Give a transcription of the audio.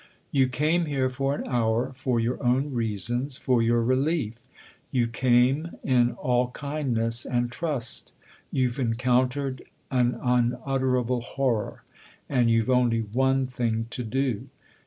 " You came here for an hour, for your own reasons, for your relief : you came in all kindness and trust. You've encountered an unutterable horror, and you've only one thing to do."